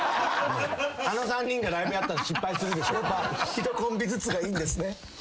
１コンビずつがいいんですね。